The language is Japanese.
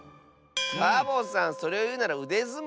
サボさんそれをいうならうでずもうでしょ。